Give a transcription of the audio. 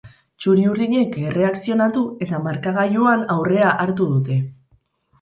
Txuri-urdinek erreakzionatu eta markagailuan aurrea hartu dute.